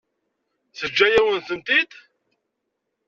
Teǧǧa-yawen-tent-id?